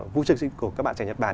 vũ trình của các bạn trẻ nhật bản